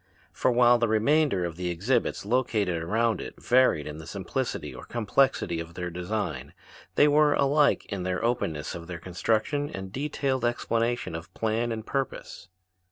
For while the remainder of the exhibits located around it varied in the simplicity or complexity of their design, they were alike in the openness of their construction and detailed explanation of plan and purpose.